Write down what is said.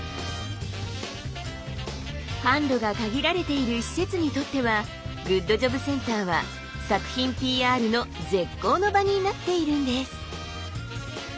販路が限られている施設にとってはグッドジョブセンターは作品ＰＲの絶好の場になっているんです。